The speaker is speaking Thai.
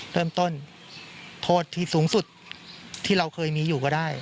เริ่มต้นโทษที่สูงสุดที่เราเคยมีอยู่ก็ได้